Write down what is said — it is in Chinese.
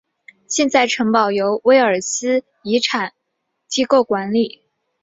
现在城堡由威尔斯遗产机构管理。